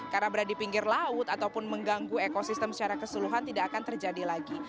karena berada di pinggir laut ataupun mengganggu ekosistem secara keseluruhan tidak akan terjadi lagi